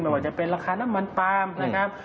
ว่าจะเป็นราคาน้ำมันปาล์มนะครับ